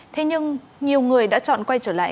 thế nhưng nhiều người đã chọn quay trở lại